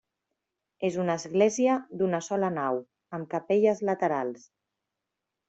És una església d'una sola nau, amb capelles laterals.